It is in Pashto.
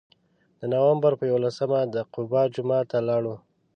د نوامبر په یولسمه د قبا جومات ته لاړو.